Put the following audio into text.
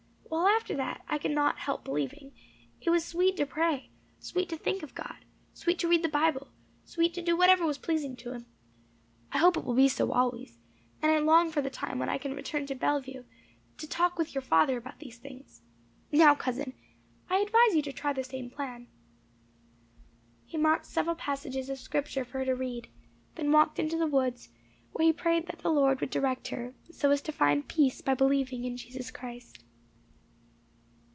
Well, after all that, I could not help believing; it was sweet to pray sweet to think of God sweet to read the Bible sweet to do whatever was pleasing to Him. I hope it will be so always; and I long for the time when I can return to Bellevue to talk with your father about these things. Now, cousin, I advise you to try the same plan." He marked several passages of Scripture for her to read; then walked into the woods, where he prayed that the Lord would direct her, so as to find peace by believing in Jesus Christ.